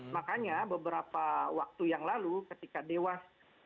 makanya beberapa waktu yang lalu ketika dewas